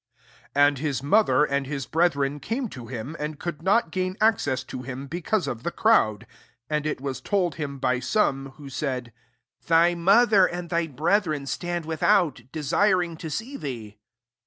*' 19 Ano At> mother, and his brethren came to him, and could not gain access to him because of the crowd. 20 And it was told him ty 9ome^ who said, Thy mother and thy brethren 11 stsmd without, desiring to see thee.'